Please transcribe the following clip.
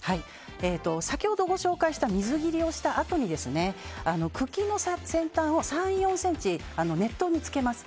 先ほどご紹介した水切りをしたあとに茎の先端を３４ｃｍ熱湯につけます。